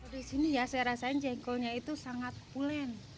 disini ya saya rasain jengkolnya itu sangat pulen